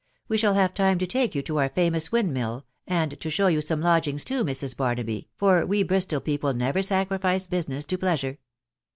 ,... We shall have time to take you to our famous, windmill, and to show you some lodgings too, Mrs. Barnaby, for we Bristol people never sacrifice business to pleasure.